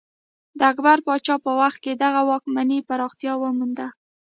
د اکبر پاچا په وخت کې دغه واکمنۍ پراختیا ومونده.